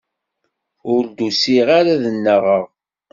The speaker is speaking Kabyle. Ur d-usiɣ ara ad nnaɣeɣ.